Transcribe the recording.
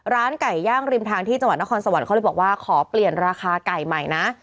ร้านไก่ย่างริมทางที่จังหวัดนครสวรรค์เขาเลยบอกว่าขอเปลี่ยนราคาไก่ใหม่นะ